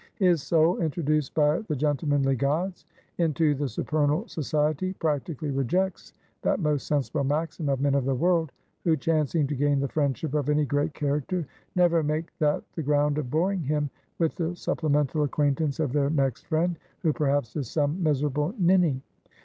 His soul, introduced by the gentlemanly gods, into the supernal society, practically rejects that most sensible maxim of men of the world, who chancing to gain the friendship of any great character, never make that the ground of boring him with the supplemental acquaintance of their next friend, who perhaps, is some miserable ninny.